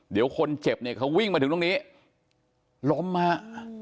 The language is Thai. เดี๋ยวคนเจ็บเนี่ยเขาวิ่งมาถึงตรงนี้ล้มฮะ